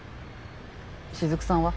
しずくさんは？